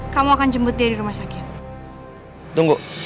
kamu akan jemput dia di rumah sakit tunggu